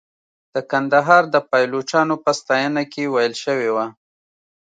د کندهار د پایلوچانو په ستاینه کې ویل شوې وه.